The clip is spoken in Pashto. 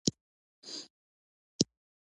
ازادي راډیو د د ښځو حقونه د تحول لړۍ تعقیب کړې.